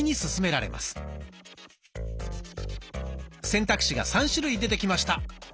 選択肢が３種類出てきました。